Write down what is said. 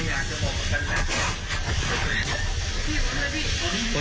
แม้ความกลัว